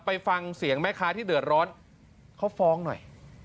ไปฟังเสียงแม่ค้าที่เดือดร้อนเขาฟ้องหน่อย